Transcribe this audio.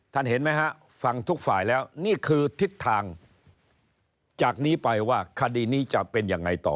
เห็นไหมฮะฟังทุกฝ่ายแล้วนี่คือทิศทางจากนี้ไปว่าคดีนี้จะเป็นยังไงต่อ